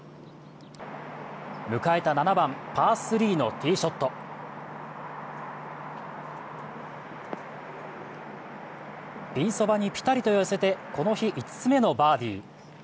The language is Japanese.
迎えた７番、パー３のティーショットピンそばにぴたりと寄せてこの日５つ目のバーディー。